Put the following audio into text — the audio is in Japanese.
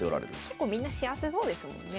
結構みんな幸せそうですもんね。